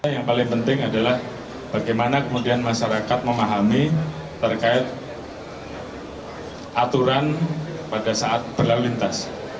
yang paling penting adalah bagaimana kemudian masyarakat memahami terkait aturan pada saat berlalu lintas